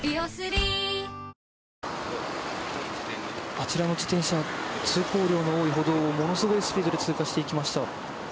あちらの自転車通行量の多い歩道をものすごいスピードで通過していきました。